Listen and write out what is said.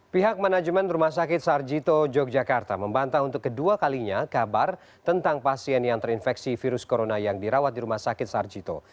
pihak manajemen rumah sakit sarjito yogyakarta membantah untuk kedua kalinya kabar tentang pasien yang terinfeksi virus corona yang dirawat di rumah sakit sarjito